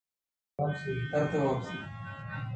آئیءَ کاف ءَجست کُت